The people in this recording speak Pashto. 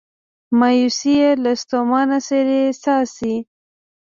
مایوسي یې له ستومانه څیرې څاڅي